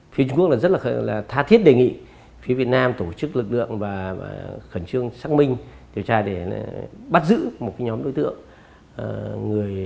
phía trung quốc rất là tha thiết đề nghị phía việt nam tổ chức lực lượng và khẩn trương xác minh điều tra để bắt giữ một nhóm đối tượng